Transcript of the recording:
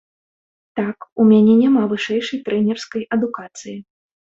Так, у мяне няма вышэйшай трэнерскай адукацыі.